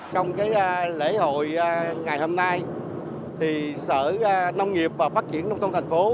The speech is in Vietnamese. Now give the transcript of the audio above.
trong lễ hội ngày hôm nay sở nông nghiệp và phát triển nông tôn thành phố